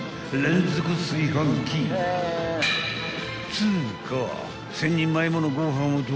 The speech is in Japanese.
［つうか］